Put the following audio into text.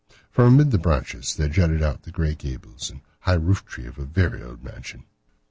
From amid the branches there jutted out the grey gables and high roof tree of a very old mansion.